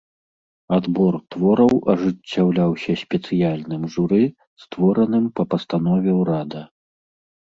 Адбор твораў ажыццяўляўся спецыяльным журы, створаным па пастанове ўрада.